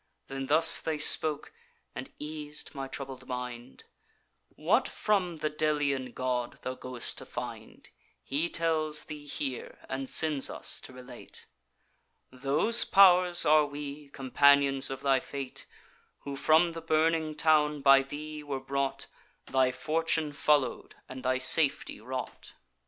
Then thus they spoke, and eas'd my troubled mind: 'What from the Delian god thou go'st to find, He tells thee here, and sends us to relate. Those pow'rs are we, companions of thy fate, Who from the burning town by thee were brought, Thy fortune follow'd, and thy safety wrought.